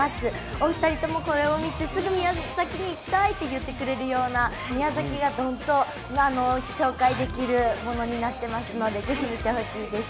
お二人ともこれを見て、すぐ宮崎に行きたいと言ってくれるような宮崎がどんと紹介できるものになっているのでぜひ見てほしいです。